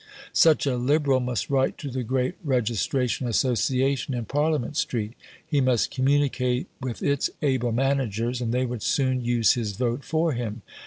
Such a Liberal must write to the great Registration Association in Parliament Street; he must communicate with its able managers, and they would soon use his vote for him.